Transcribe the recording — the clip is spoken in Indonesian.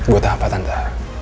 buat apa tante